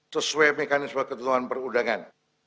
sesuai mekanisme ketentuan perundangan